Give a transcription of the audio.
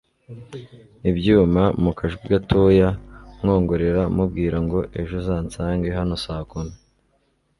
ibyuma mukajwi gatoya mwongorera mubwira ngo ejo uzansange hano saakumi